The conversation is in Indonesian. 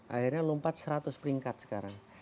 akhirnya lompat seratus peringkat sekarang